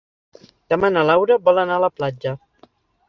Demà na Laura vol anar a la platja.